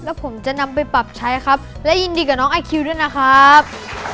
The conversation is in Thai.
แล้วผมจะนำไปปรับใช้ครับและยินดีกับน้องไอคิวด้วยนะครับ